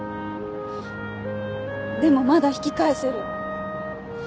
でもまだ引き返せる。